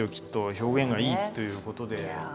表現がいいということで。